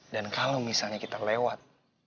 dan kalau misalnya kita lewat